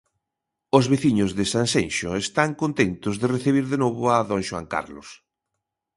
Os veciños de Sanxenxo están contentos de recibir de novo a don Xoán Carlos.